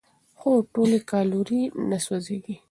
خو ټولې کالورۍ نه سوځېږي.